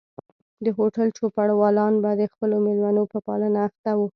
د هوټل چوپړوالان به د خپلو مېلمنو په پالنه اخته وو.